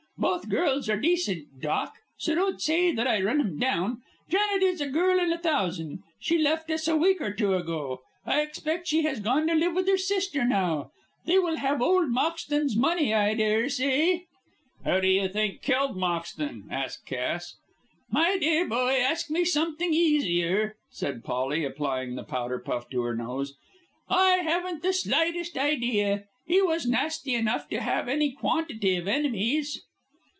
Both girls are decent, doc, so don't say that I run 'em down. Janet is a girl in a thousand. She left us a week or two ago. I expect she has gone to live with her sister now. They will have old Moxton's money, I daresay." "Who do you think killed Moxton?" asked Cass. "My dear boy, ask me something easier," said Polly, applying the powder puff to her nose. "I haven't the slightest idea. He was nasty enough to have any quantity of enemies."